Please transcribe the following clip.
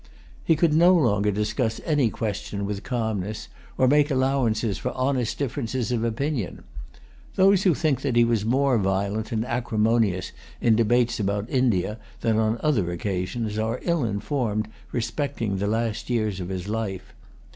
He could no longer discuss any question with calmness, or make allowance for honest differences of opinion. Those who think that he was more violent and acrimonious in debates about India than on other occasions are ill informed respecting the last years of his life.